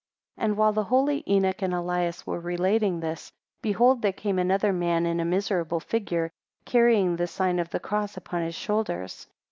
5 And while the holy Enoch and Elias were relating this, behold there came another man in a miserable figure, carrying the sign of the cross upon his shoulders.